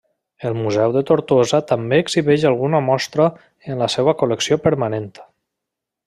El Museu de Tortosa també exhibeix alguna mostra en la seua col·lecció permanent.